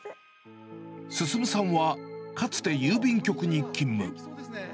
進さんは、かつて郵便局に勤務。